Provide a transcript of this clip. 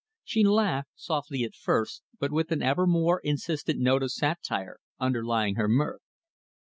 She laughed, softly at first, but with an ever more insistent note of satire underlying her mirth.